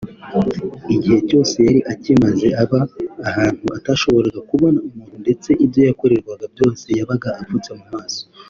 “Igihe cyose yari akimaze aba ahantu atashoboraga kubona umuntu ndetse ibyo yakorerwaga byose yabaga apfutse mu maso